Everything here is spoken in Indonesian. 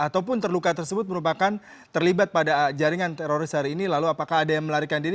ataupun terluka tersebut merupakan terlibat pada jaringan teroris hari ini lalu apakah ada yang melarikan diri